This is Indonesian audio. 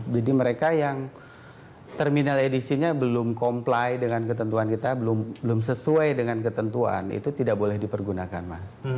jadi mereka yang terminal edisinya belum comply dengan ketentuan kita belum sesuai dengan ketentuan itu tidak boleh dipergunakan mas